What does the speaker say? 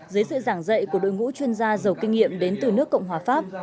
dưới sự giảng dạy của đội ngũ chuyên gia giàu kinh nghiệm đến từ nước cộng hòa pháp